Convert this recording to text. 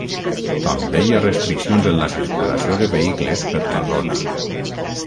També hi ha restriccions en la circulació de vehicles per la zona.